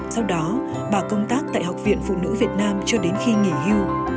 sau đó bà công tác tại học viện phụ nữ việt nam cho đến khi nghỉ hưu